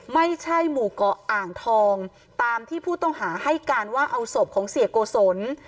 ไม่ใช่หมู่เกาะอ่างทองตามที่ผู้ต้องหาให้การว่าเอาศพของเสียโกศล